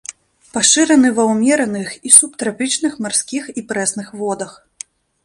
Пашыраны ва ўмераных і субтрапічных марскіх і прэсных водах.